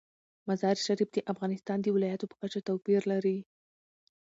مزارشریف د افغانستان د ولایاتو په کچه توپیر لري.